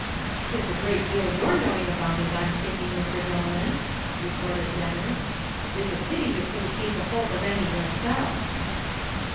"It's a great deal you're knowing about it, I'm thinking, Mr. Dolan," retorted Denis; "it's a pity you couldn't keep the hoult of any yerself."